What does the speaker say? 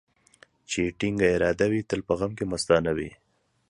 چي يې ټينگه اراده وي ، تل په غم کې مستانه وي.